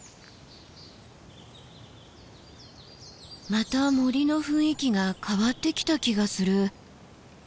また森の雰囲気が変わってきた気がする。